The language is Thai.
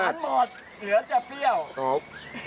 หวานหมดเหลือจะเปรี้ยว